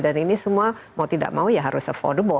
dan ini semua mau tidak mau ya harus affordable